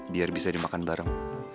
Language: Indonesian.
biar bisa dimakan bareng